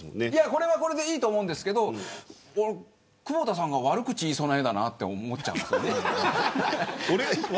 これはこれでいいと思うんですが久保田さんが悪口言いそうな絵だったと思っちゃうんです。